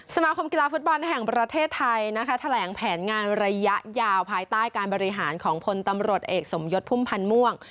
สมาคมกีฬาฟุตบอลแห่งประเทศไทยนะคะแถลงแผนงานระยะยาวภายใต้การบริหารของพลตำรวจเอกสมยศพุ่มพันธ์ม่วง